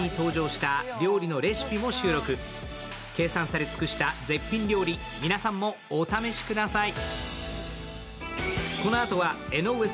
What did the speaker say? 計算され尽くした絶品料理、皆さんもお試しください。